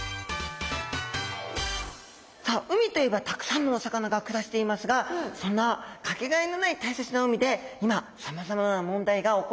さあ海といえばたくさんのお魚が暮らしていますがそんな掛けがえのない大切な海で今さまざまな問題が起こっているんですね。